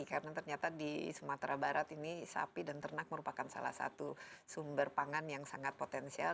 karena ternyata di sumatera barat ini sapi dan ternak merupakan salah satu sumber pangan yang sangat potensial